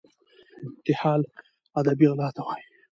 انتحال ادبي غلا ته وايي.